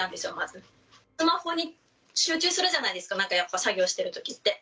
スマホに集中するじゃないですか、なんかやっぱ作業してるときって。